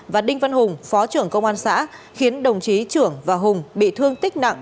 và đinh văn hùng phó trưởng công an xã khiến đồng chí trưởng và hùng bị thương tích nặng